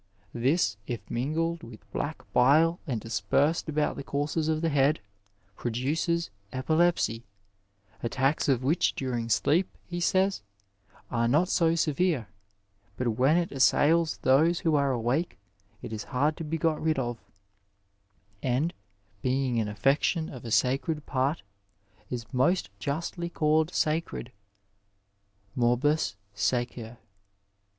This, if mingled with black bile and dispersed about the courses of the head produces epilepsy, attacks of which during sleep, he says, are not so severe, but when it assails those who are awake it is hard to be got rid of, and '^ being an affection of a sacred part, is most justiy called sacred " morbus sacer.